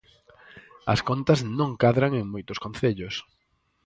As contas non cadran en moitos concellos.